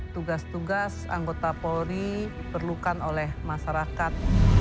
tugas tugas anggota polri perlukan oleh masyarakat